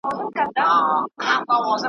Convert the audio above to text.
له خپلو منبرونو به مو ږغ د خپل بلال وي ,